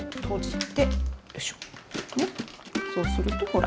そうするとほら。